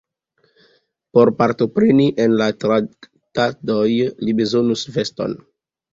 Por partopreni en la traktadoj, li bezonus veston.